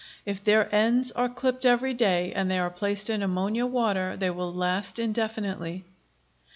If their ends are clipped every day and they are placed in ammonia water, they will last indefinitely."